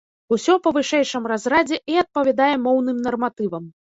Усё па вышэйшым разрадзе і адпавядае моўным нарматывам.